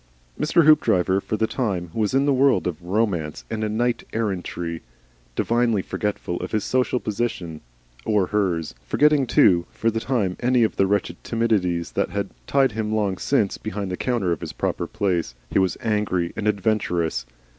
Mr. Hoopdriver for the time, was in the world of Romance and Knight errantry, divinely forgetful of his social position or hers; forgetting, too, for the time any of the wretched timidities that had tied him long since behind the counter in his proper place. He was angry and adventurous.